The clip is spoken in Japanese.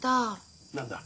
何だ？